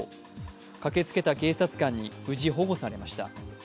駆けつけた警察官に無事保護されました。